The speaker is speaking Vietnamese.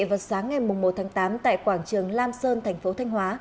vào sáng ngày một tháng tám tại quảng trường lam sơn thành phố thanh hóa